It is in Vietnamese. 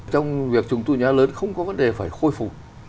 trong việc trùng tu nhà lớn không có vấn đề phải khôi phục